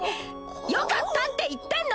よかったって言ってんの！